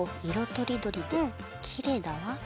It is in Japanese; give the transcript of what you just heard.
とりどりできれいだわ。